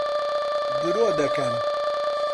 درۆ دەکەن.